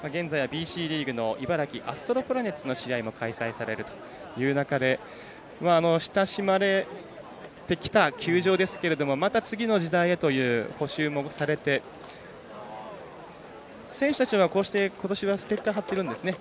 現在はＢＣリーグの試合も開催されるという中で親しまれてきた球場ですけどまた次の時代へという補修もされて、選手たちはことしはステッカー貼ってるんですね。